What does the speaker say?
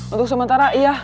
untuk sementara iya